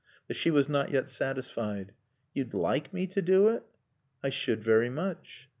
But she was not yet satisfied. "You'd like me to do it?" "I should very much."